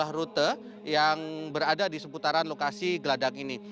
dan diseluruh rute yang berada di seputaran lokasi geladak ini